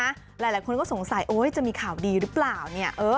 หลายคนก็สงสัยโอ๊ยจะมีข่าวดีหรือเปล่าเนี่ย